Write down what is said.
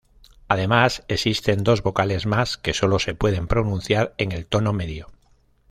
Además, existen dos vocales más que sólo se pueden pronunciar en el tono medio.